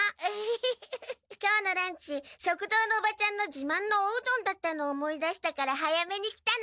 今日のランチ食堂のおばちゃんのじまんのおうどんだったのを思い出したから早めに来たの。